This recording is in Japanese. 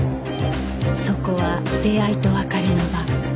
そこは出会いと別れの場